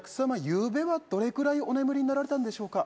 ゆうべはどれくらいお眠りになられたんでしょうか？